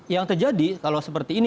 yang terjadi kalau seperti ini